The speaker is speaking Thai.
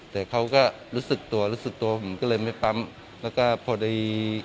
แต่เขาก็รู้สึกตัวรู้สึกตัวผมก็เลยไม่ปั๊มแล้วก็พอดี